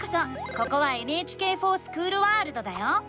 ここは「ＮＨＫｆｏｒＳｃｈｏｏｌワールド」だよ！